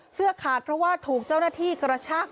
เสื้อขาดเพราะว่าถูกเจ้าหน้าที่กระชาก